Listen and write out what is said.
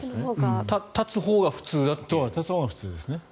立つほうが普通です。